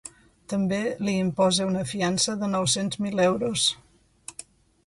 També li imposa una fiança de nou-cents mil euros.